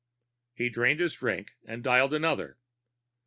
He drained his drink and dialed another.